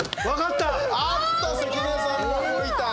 おっと、関根さんも動いた！